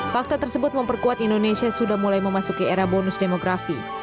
fakta tersebut memperkuat indonesia sudah mulai memasuki era bonus demografi